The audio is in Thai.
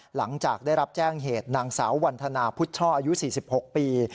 หลังจากได้รับแจ้งเหตุนางสาววันธนาพุทธช่ออายุ๔๖ปี